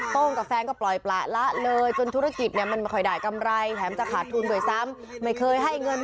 โต้งกับแฟนก็ปล่อยปล่าละเลย